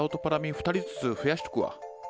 ２人ずつ増やしとくわ。